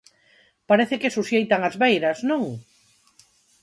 Parece que suxeitan as beiras, non?